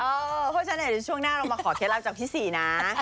เพราะฉะนั้นเดี๋ยวช่วงหน้าเรามาขอเคล็ดลับจากพี่ศรีนะ